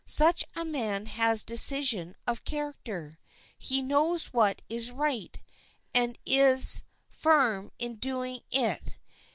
Such a man has decision of character; he knows what is right, and is firm in doing it.